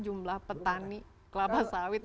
jumlah petani kelapa sawit